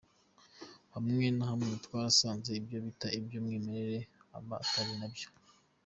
Hamwe na hamwe, twanasanze ibyo bita iby’umwimerere aba atari nabyo.